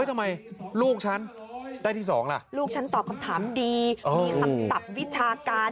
ทำไมลูกฉันได้ที่สองล่ะลูกฉันตอบคำถามดีมีคำศัพท์วิชาการ